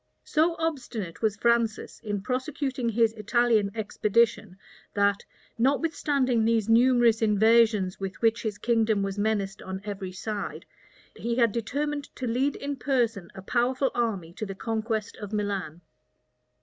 So obstinate was Francis in prosecuting his Italian expedition, that, notwithstanding these numerous invasions with which his kingdom was menaced on every side, he had determined to lead in person a powerful army to the conquest of Milan.